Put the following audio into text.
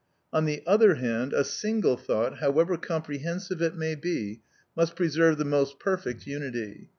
On the other hand, a single thought, however comprehensive it may be, must preserve the most perfect unity.